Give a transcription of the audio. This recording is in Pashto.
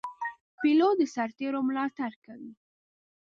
پیلوټ د سرتېرو ملاتړ کوي.